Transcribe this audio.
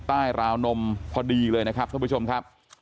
ราวนมพอดีเลยนะครับท่านผู้ชมครับ